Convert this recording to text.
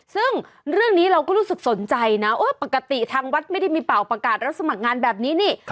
ซึ่งเรื่องนี้เราก็รู้สึกสนใจนะปกติทางวัดไม่ได้มีเป่าประกาศรับสมัครงานแบบนี้นี่